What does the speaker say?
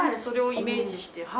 それをイメージして。